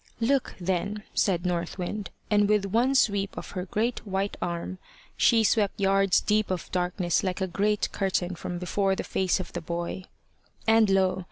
"Look, then," said North Wind; and, with one sweep of her great white arm, she swept yards deep of darkness like a great curtain from before the face of the boy. And lo!